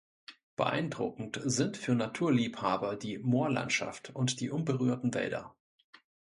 Beeindruckend sind für Naturliebhaber die Moorlandschaft und die unberührten Wälder.